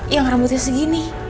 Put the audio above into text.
yang rambutnya segini